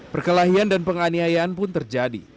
perkelahian dan penganiayaan pun terjadi